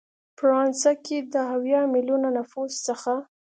فرانسه کې د اویا ملیونه نفوس څخه